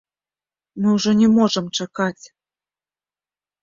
Мы ўжо не можам чакаць.